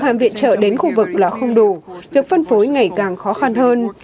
mở đến khu vực là không đủ việc phân phối ngày càng khó khăn hơn